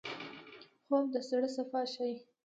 خوب د زړه ساه شي